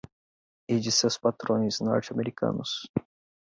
e de seus patrões norte-americanos